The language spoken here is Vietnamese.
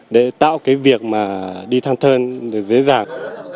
để tạo cái việc mà đi thăm thân dễ dàng